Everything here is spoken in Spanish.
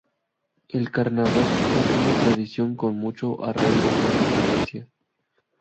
El carnaval es una tradición con mucho arraigo en la provincia.